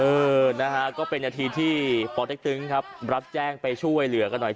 เออนะฮะก็เป็นนาทีที่ปเต็กตึงครับรับแจ้งไปช่วยเหลือกันหน่อย